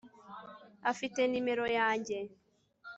Afite nimero yanjye